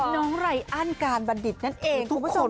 น้องไรอ้านการบรรดิษฐ์นั่นเองทุกคนผ่าน